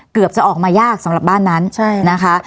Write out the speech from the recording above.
เกือบจะออกมายากสำหรับบ้านนั้นนะคะ